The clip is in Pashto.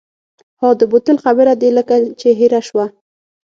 ها د بوتل خبره دې لکه چې هېره شوه.